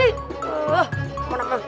wah mau nonton